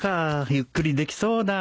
ゆっくりできそうだ